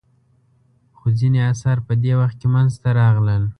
خو ځینې اثار په دې وخت کې منځته راغلل.